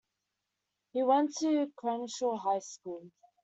He went to Crenshaw High School.